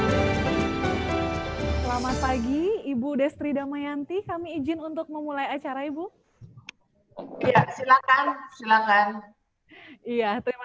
hai selamat pagi ibu destri damayanti kami izin untuk memulai acara ibu silakan silakan iya terima